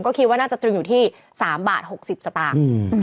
ก็คิดว่าน่าจะตรงอยู่ที่๓บาท๖๐สตาร์ผลักหน้าฝาว